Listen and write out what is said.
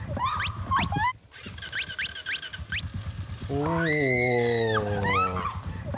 お！